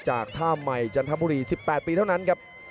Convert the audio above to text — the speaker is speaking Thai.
จากท่าใหม่จันทบุรี๑๘ปีเท่านั้นครับ